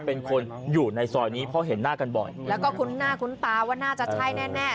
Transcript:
เป็นคนอยู่ในซอยนี้เพราะเห็นหน้ากันบ่อยแล้วก็คุ้นหน้าคุ้นตาว่าน่าจะใช่แน่แน่